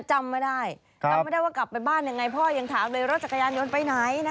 จำไม่ได้จำไม่ได้ว่ากลับไปบ้านยังไงพ่อยังถามเลยรถจักรยานยนต์ไปไหน